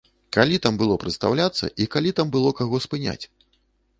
Калі там было прадстаўляцца і калі там было каго спыняць?